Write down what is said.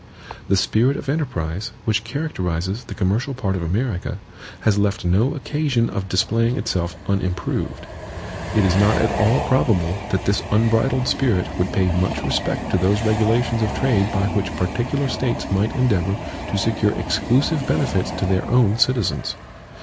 The spirit of enterprise, which characterizes the commercial part of America, has left no occasion of displaying itself unimproved. It is not at all probable that this unbridled spirit would pay much respect to those regulations of trade by which particular States might endeavor to secure exclusive benefits to their own citizens.